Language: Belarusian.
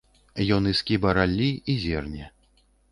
Ён і скіба раллі, і зерне.